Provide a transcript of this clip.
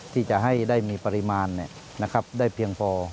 ที่จะให้ได้มีปริมาณได้เพียงพอ